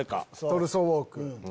トルソーウォーク。